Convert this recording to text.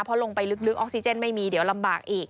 พอลงไปลึกออกซิเจนไม่มีเดี๋ยวลำบากอีก